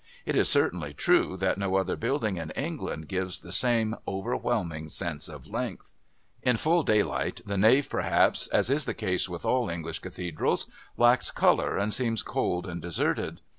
It is certainly true that no other building in England gives the same overwhelming sense of length. In full daylight the nave perhaps, as is the case with all English Cathedrals, lacks colour and seems cold and deserted.